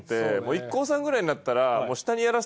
ＩＫＫＯさんぐらいになったら。